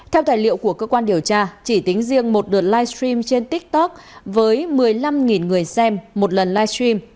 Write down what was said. theo tài liệu của cơ quan điều tra chỉ tính riêng một đợt livestream trên tiktok với một mươi năm người xem một lần livestream